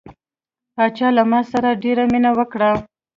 پاچا له ما سره ډیره مینه وکړه.